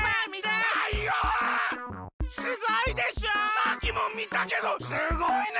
さっきもみたけどすごいね！